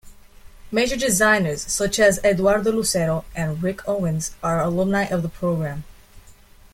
Major designers such as Eduardo Lucero and Rick Owens are alumni of the program.